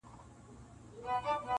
ماته شجره یې د نژاد او نصب مه راوړئ-